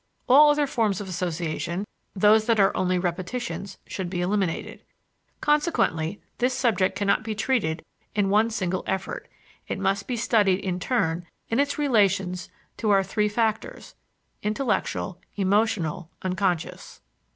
All other forms of association, those that are only repetitions, should be eliminated. Consequently, this subject can not be treated in one single effort; it must be studied, in turn, in its relations to our three factors intellectual, emotional, unconscious.